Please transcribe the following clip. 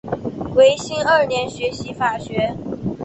维新二年学习法学。